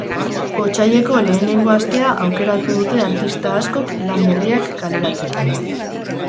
Otsaileko lehenengo astea aukeratu dute artista askok lan berriak kaleratzeko.